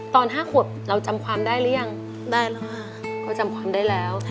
ตอน๕ขวบเราจำความได้หรือยังได้แล้วค่ะเขาจำความได้แล้ว